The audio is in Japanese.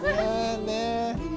ねえ！